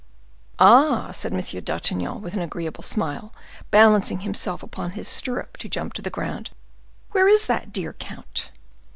"Ah!" said M. d'Artagnan, with an agreeable smile, balancing himself upon his stirrup to jump to the ground, "where is that dear count?"